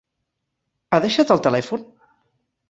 Ha deixat el telèfon?